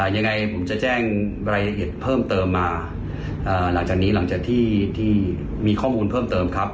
ยังไงผมจะแจ้งรายละเอียดเพิ่มเติมมาหลังจากนี้หลังจากที่มีข้อมูลเพิ่มเติมครับ